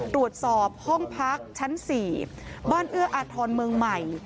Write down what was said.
ตรวจสอบห้องพักชั้น๔บ้านเอื้ออาทรเมืองใหม่